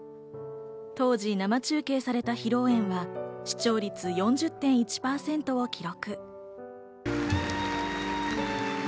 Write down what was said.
当時、生中継された披露宴は視聴率４０．１％を記録。